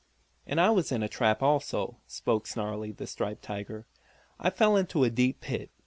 "And I was in a trap also," spoke Snarlie, the striped tiger. "I fell into a deep pit.